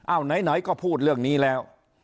ไหนก็พูดเรื่องนี้แล้ว